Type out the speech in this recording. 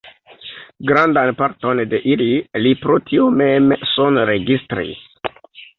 Grandan parton de ili li pro tio mem sonregistris.